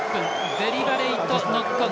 デリバレイトノックオン。